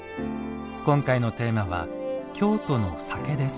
今回のテーマは「京都の酒」です。